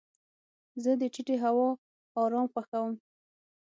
زه د ټیټې هوا ارام خوښوم.